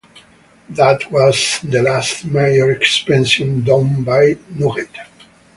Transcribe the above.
That was the last major expansion done by the Nugget.